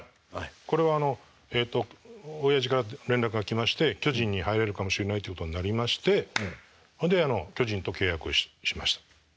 これはおやじから連絡が来まして巨人に入れるかもしれないってことになりましてほんで巨人と契約をしました。